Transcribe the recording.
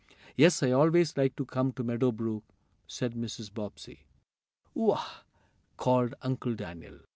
"Yes, I always like to come to Meadow Brook," said Mrs. Bobbsey. "Whoa!" called Uncle Daniel.